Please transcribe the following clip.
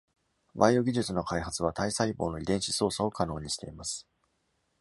バイオ技術の開発は体細胞の遺伝子操作を可能にしています。